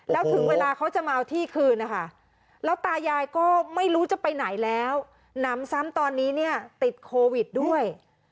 แล้วถึงเวลาเขาจะมาเอาที่คืนนะคะแล้วตายายก็ไม่รู้จะไปไหนแล้วหนำซ้ำตอนนี้เนี่ยติดโควิดด้วย